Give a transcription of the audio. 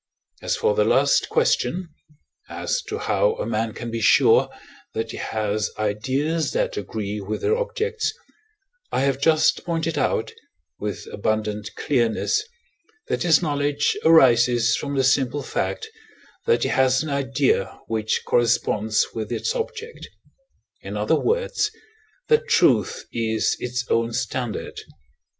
As for the last question as to how a man can be sure that he has ideas that agree with their objects, I have just pointed out, with abundant clearness, that his knowledge arises from the simple fact, that he has an idea which corresponds with its object in other words, that truth is its own standard.